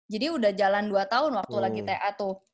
jadi udah jalan dua tahun waktu lagi ta tuh